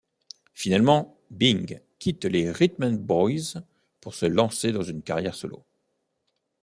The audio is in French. Finalement Bing quitte les Rhythm Boys pour se lancer dans une carrière solo.